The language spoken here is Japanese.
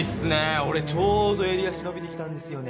俺ちょうど襟足伸びてきたんですよね。